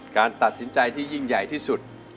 การตัดสินใจที่ยิ่งใหญ่ที่สุด